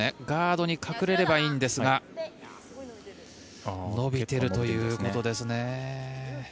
ガードに隠れればいいんですが伸びているということですね。